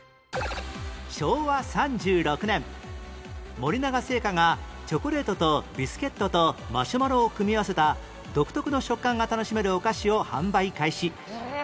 昭和３６年森永製菓がチョコレートとビスケットとマシュマロを組み合わせた独特の食感が楽しめるお菓子を販売開始